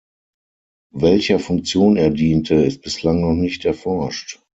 Welcher Funktion er diente, ist bislang noch nicht erforscht.